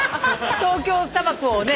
『東京砂漠』をね。